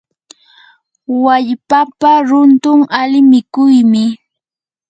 wallpapa runtun ali mikuymi.